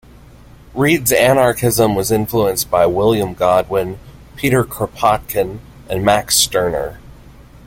Read's anarchism was influenced by William Godwin, Peter Kropotkin and Max Stirner.